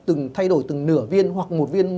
thay đổi từng nửa viên hoặc một viên